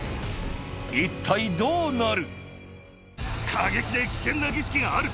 一体どうなる？